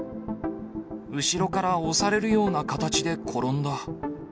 後ろから押されるような形で転んだ。